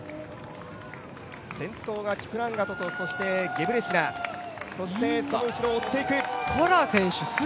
先頭がキプランガトとゲブレシラセその後ろを追っていく。